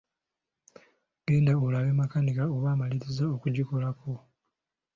Genda olabe makanika oba amalirizza okugikolako.